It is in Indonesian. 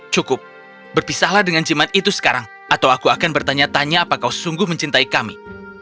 cukup berpisahlah dengan jimat itu sekarang atau aku akan bertanya tanya apakah kau sungguh mencintai kami